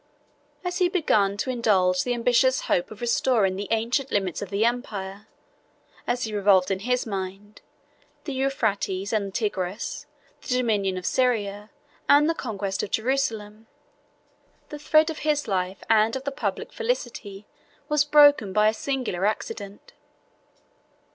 As he began to indulge the ambitious hope of restoring the ancient limits of the empire, as he revolved in his mind, the Euphrates and Tigris, the dominion of Syria, and the conquest of Jerusalem, the thread of his life and of the public felicity was broken by a singular accident.